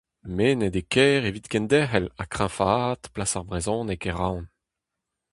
Mennet eo Kêr evit kendelc'her ha kreñvaat plas ar brezhoneg e Roazhon.